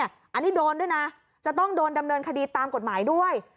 อันนี้โดนด้วยนะจะต้องโดนดำเนินคดีตามกฎหมายด้วย